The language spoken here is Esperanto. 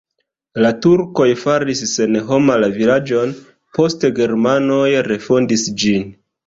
La turkoj faris senhoma la vilaĝon, poste germanoj refondis ĝin.